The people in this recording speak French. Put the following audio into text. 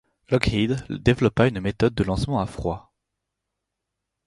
Lockheed développa une méthode de lancement à froid.